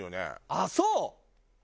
あっそう？